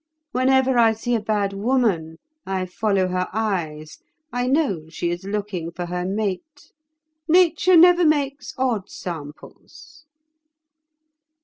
Whenever I see a bad woman, I follow her eyes; I know she is looking for her mate. Nature never makes odd samples.